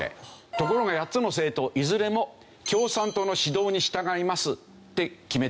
ところが８つの政党いずれも共産党の指導に従いますって決めてるの。